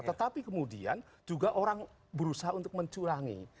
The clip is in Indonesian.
tetapi kemudian juga orang berusaha untuk mencurangi